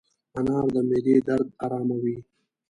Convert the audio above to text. انار د معدې درد اراموي.